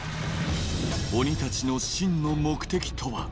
鬼たちの真の目的とは？